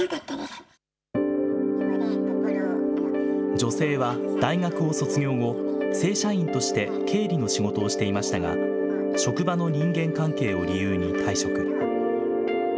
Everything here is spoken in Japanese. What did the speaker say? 女性は大学を卒業後、正社員として経理の仕事をしていましたが、職場の人間関係を理由に退職。